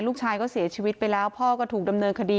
ลูกชายก็เสียชีวิตไปแล้วพ่อก็ถูกดำเนินคดี